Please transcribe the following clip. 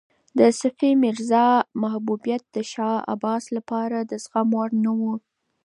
د صفي میرزا محبوبیت د شاه عباس لپاره د زغم وړ نه و.